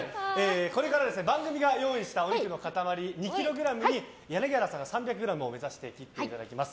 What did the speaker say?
これから番組が用意したお肉の塊２ｋｇに柳原さんが３００ｇを目指して切っていただきます。